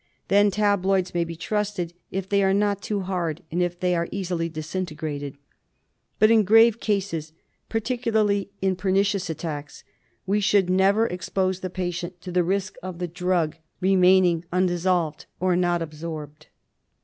Then tabloids may be trusted if they are not too hard, and if they are easily disintegrated. But in grave cases, particularly in pernicious attacks, we should never expose the patient to the risk of the drug remaining undissolved or not absorbed.